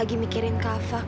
aku mau berbohong sama kamu